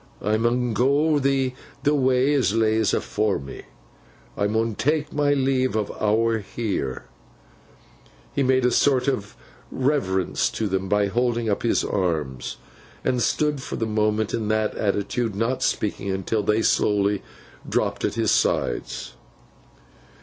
I mun go th' way as lays afore me. I mun tak my leave o' aw heer.' He made a sort of reverence to them by holding up his arms, and stood for the moment in that attitude; not speaking until they slowly dropped at his sides.